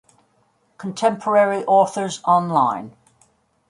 "Contemporary Authors Online".